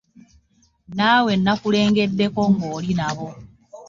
Naawe nakulengeddeko ng'oli nabo.